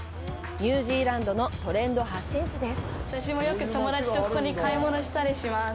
ニュージーランドのトレンド発信地です。